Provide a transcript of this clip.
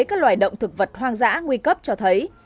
các loài động thực vật hoang dã nguy cấp cho thấy